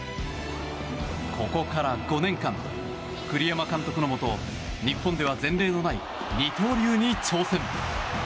ここから５年間、栗山監督のもと日本では前例のない二刀流に挑戦。